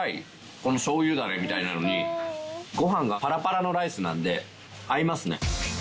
このしょうゆダレみたいなのにご飯がパラパラのライスなんで合いますね。